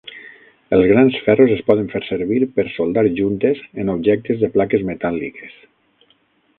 Els grans ferros es poden fer servir per soldar juntes en objectes de plaques metàl·liques.